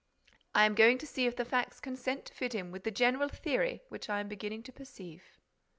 "I am going to see if the facts consent to fit in with the general theory which I am beginning to perceive."